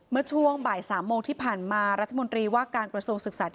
นะจวงบ่าย๓โมงที่ผ่านมารัฐะมนตรีว่าการกระทรงศึกษาทิการ